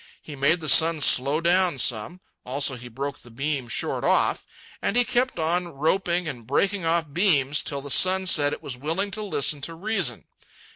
He made the sun slow down some; also, he broke the beam short off. And he kept on roping and breaking off beams till the sun said it was willing to listen to reason.